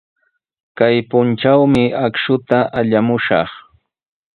Kay puntrawmi akshuta allamushaq.